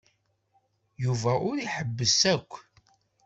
Yuba ur iḥebbes akk.